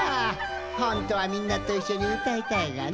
ほんとはみんなといっしょにうたいたいがな。